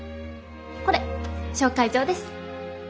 これ紹介状です。